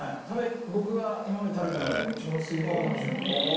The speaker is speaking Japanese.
僕が今まで食べた中でも一番薄い方かもしれません。